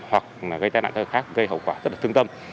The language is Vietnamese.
hoặc gây tai nạn khác gây hậu quả rất thương tâm